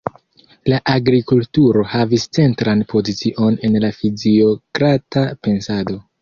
La agrikulturo havis centran pozicion en la fiziokrata pensado.